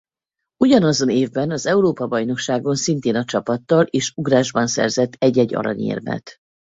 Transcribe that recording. Ugyanazon évben az Európa-bajnokságon szintén a csapattal és ugrásban szerzett egy-egy aranyérmet.